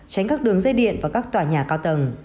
tránh các đường dây điện và các tòa nhà cao tầng